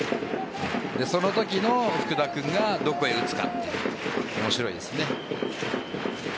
そのときの福田君がどこへ打つかというのが面白いですね。